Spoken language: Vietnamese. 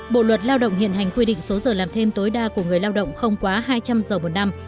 bộ luật lao động hiện hành quy định số giờ làm thêm tối đa của người lao động không quá hai trăm linh giờ một năm